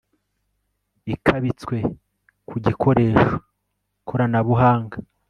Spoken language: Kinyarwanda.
i kabitswe ku gikoresho koranabuhanga